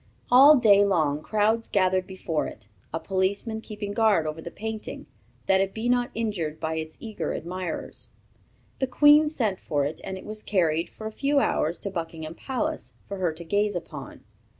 All day long crowds gathered before it, a policeman keeping guard over the painting, that it be not injured by its eager admirers. The Queen sent for it, and it was carried, for a few hours, to Buckingham Palace, for her to gaze upon.